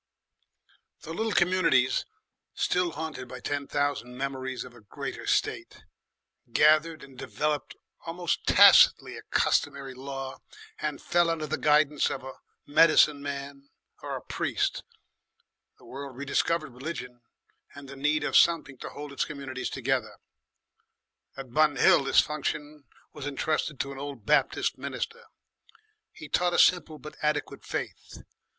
The little communities, still haunted by ten thousand memories of a greater state, gathered and developed almost tacitly a customary law and fell under the guidance of a medicine man or a priest. The world rediscovered religion and the need of something to hold its communities together. At Bun Hill this function was entrusted to an old Baptist minister. He taught a simple but adequate faith.